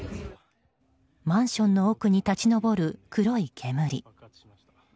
マンションの奥に立ち上る黒い煙。